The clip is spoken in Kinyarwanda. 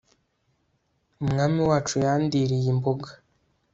umwami wacu yandiriye imboga